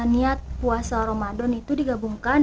niat puasa ramadan itu digabungkan